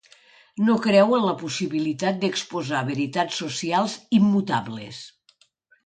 No creu en la possibilitat d'exposar veritats socials immutables.